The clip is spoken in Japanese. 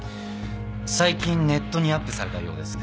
最近ネットにアップされたようです。